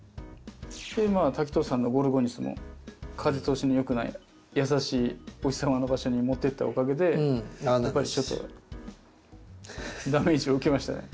で滝藤さんのゴルゴニスも風通しの良くない優しいお日様の場所に持ってったおかげでやっぱりちょっとダメージを受けましたね。